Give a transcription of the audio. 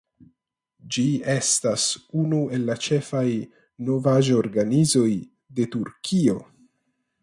Ĝi estas unu el la ĉefaj novaĵorganizoj de Turkio.